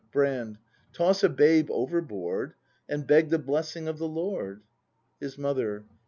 Brand. Toss a babe overboard. And beg the blessing of the Lord. His Mother.